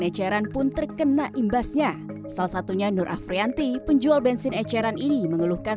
eceran pun terkena imbasnya salah satunya nur afrianti penjual bensin eceran ini mengeluhkan